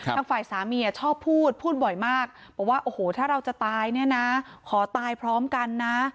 ทางฝ่ายสามีชอบพูดพูดบ่อยมากบอกว่าโอ้โหถ้าเราจะตายเนี่ยนะขอตายพร้อมกันนะ